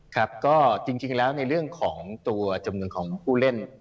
ครับก็จริงแล้วในเรื่องของตัวจำนวนของผู้เล่น